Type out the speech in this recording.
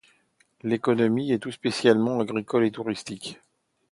L'économie est tout spécialement agricole et touristique.